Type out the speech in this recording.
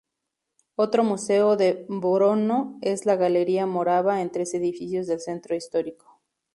Otro museo de Brno es la Galería Morava, en tres edificios del centro histórico.